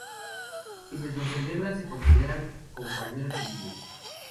Quienes lo celebran se considerarán compañeros civiles.